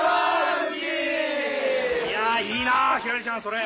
いやいいなあひらりちゃんそれ。